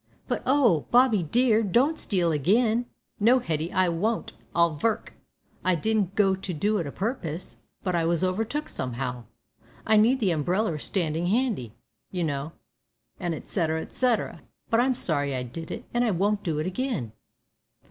"But oh! Bobby, dear, don't steal again." "No, Hetty, I won't, I'll vork. I didn't go for to do it a purpose, but I was overtook some'ow I seed the umbrellar standin' handy, you know, and etceterer. But I'm sorry I did it, an' I won't do it again."